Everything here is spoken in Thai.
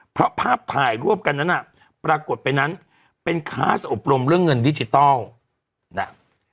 เพราะภาพถ่ายรวบกันนั้นน่ะปรากฏไปนั้นเป็นคลาสอบรมเรื่องเงินดิจิทัลน่ะ